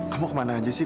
kamu kemana aja sih